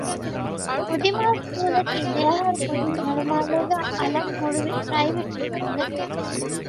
ކުދިމާ ސްކޫލަކީ ދެއަހަރު ކުދިން ހުޅުމާލޭގައި އަލަށް ހުޅުވި ޕްރައިވެޓް ސްކޫލެއް